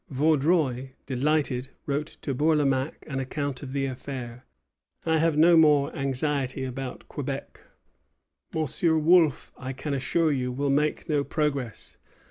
Vaudreuil, delighted, wrote to Bourlamaque an account of the affair. "I have no more anxiety about Quebec. M. Wolfe, I can assure you, will make no progress.